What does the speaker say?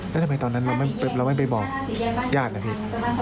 แล้วทำไมตอนนั้นเราไม่ไปบอกญาตินะพี่